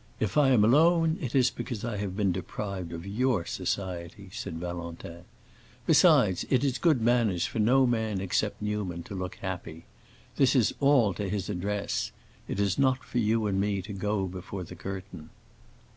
'" "If I am alone, it is because I have been deprived of your society," said Valentin. "Besides it is good manners for no man except Newman to look happy. This is all to his address. It is not for you and me to go before the curtain."